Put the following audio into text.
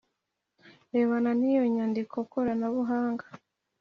Birebana n iyo nyandiko koranabuhanga